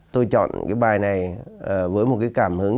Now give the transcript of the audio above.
tôi chọn cái bài này với một cái cảm hứng